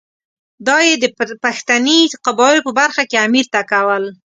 دا یې د پښتني قبایلو په برخه کې امیر ته کول.